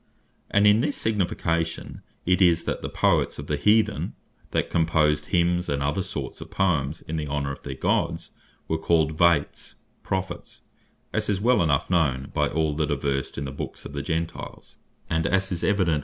And in this signification it is, that the Poets of the Heathen, that composed Hymnes and other sorts of Poems in the honor of their Gods, were called Vates (Prophets) as is well enough known by all that are versed in the Books of the Gentiles, and as is evident (Tit.